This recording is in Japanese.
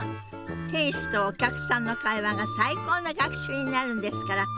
店主とお客さんの会話が最高の学習になるんですから。